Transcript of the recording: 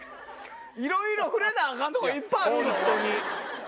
いろいろ触れなアカンとこいっぱいあるよ！